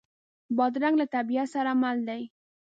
بادرنګ له طبیعت سره مل دی.